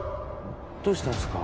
どうしたんすか？